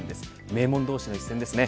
名門同士の一戦です。